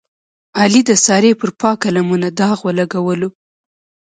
علي د سارې پر پاکه لمنه داغ ولګولو.